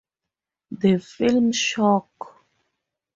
The film, Shock!